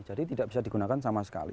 jadi tidak bisa digunakan sama sekali